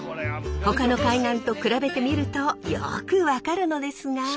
ほかの海岸と比べてみるとよく分かるのですが。